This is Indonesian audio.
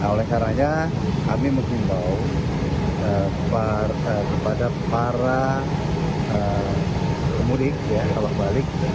oleh karanya kami mencintau kepada para mudik kalau balik